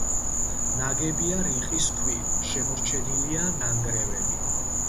ნაგებია რიყის ქვით, შემორჩენილია ნანგრევები.